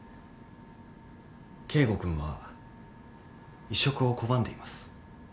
圭吾君は移植を拒んでいます。